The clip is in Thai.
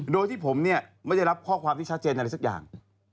โดยที่ผมเนี่ยไม่ได้รับข้อความที่ชัดเจนอะไรสักอย่าง